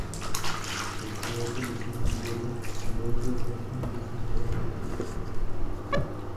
Zasedal v obecním výboru a byl dlouholetým obecním tajemníkem.